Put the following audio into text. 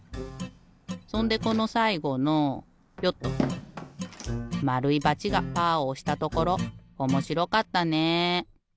そんでこのさいごのよっとまるいバチがパーをおしたところおもしろかったね。